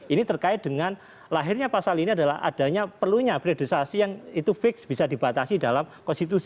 ini terkait dengan lahirnya pasal ini adalah adanya perlunya priorisasi yang itu fix bisa dibatasi dalam konstitusi